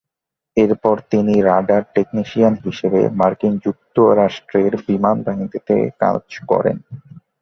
এরপর তিনি radar technician হিসেবে মার্কিন যুক্তরাষ্ট্রের বিমানবাহিনীতে কাজ করেন।